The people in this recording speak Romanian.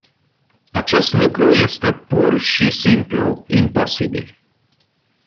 Acest lucru este pur și simplu imposibil.